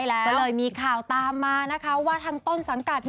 ก็เลยมีข่าวตามมานะคะว่าทางต้นสังกัด